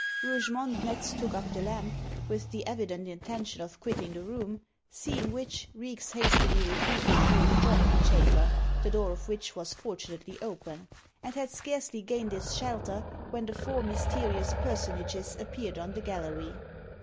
Rougemont next took up the lamp, with the evident intention of quitting the room, seeing which, Reeks hastily retreated to an adjoining chamber, the door of which was fortunately open, and had scarcely gained its shelter when the four mysterious personages appeared on the gallery.